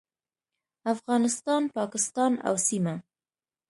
افغانستان، پاکستان او سیمه